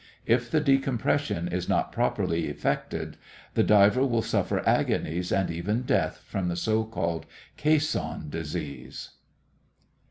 If the decompression is not properly effected, the diver will suffer agonies and even death from the so called "Caisson Disease."